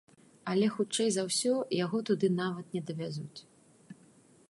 Але хутчэй за ўсё яго туды нават не давязуць.